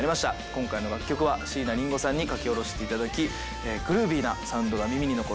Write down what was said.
今回の楽曲は椎名林檎さんに書き下ろしていただきグルービーなサウンドが耳に残る楽曲になりました。